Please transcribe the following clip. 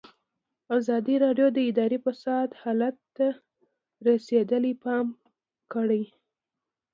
ازادي راډیو د اداري فساد حالت ته رسېدلي پام کړی.